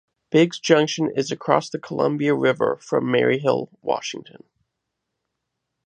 Biggs Junction is across the Columbia River from Maryhill, Washington.